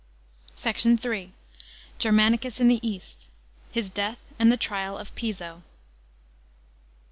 SHOT. III. — GKRMANICUS IN THE EAST. His DEATH, AND THE TRIAL OF Piso.